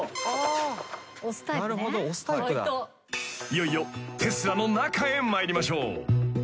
［いよいよテスラの中へ参りましょう］